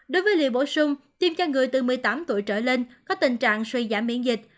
đối với liều bổ sung tiêm cho người từ một mươi tám tuổi trở lên có tình trạng suy giảm miễn dịch